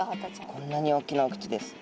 こんなに大きなお口です。